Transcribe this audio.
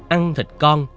ăn thịt con